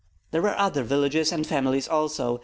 There were other villages and families also.